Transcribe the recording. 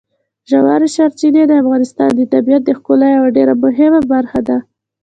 ژورې سرچینې د افغانستان د طبیعت د ښکلا یوه ډېره مهمه برخه ده.